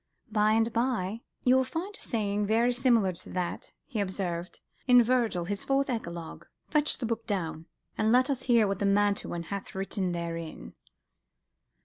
By and by, "You will find a saying very similar to that," he observed, "in Virgil his Fourth Eclogue. Fetch down the book, and let us hear what the Mantuan hath written therein."